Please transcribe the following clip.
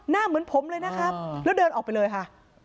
เหมือนผมเลยนะครับแล้วเดินออกไปเลยค่ะ